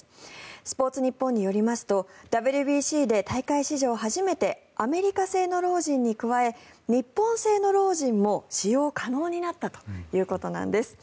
スポーツニッポンによりますとＷＢＣで大会史上初めてアメリカ製のロージンに加え日本製のロージンも使用可能になったということなんです。